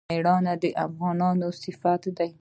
میړانه د افغانانو صفت دی.